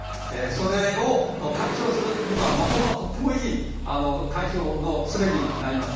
それを解消するにはマコモは、とてもいい解消のすべになります。